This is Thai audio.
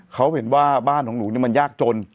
เขาเห็นว่าบ้านของหนูมันยากจน